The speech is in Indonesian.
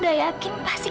kamila akan memilih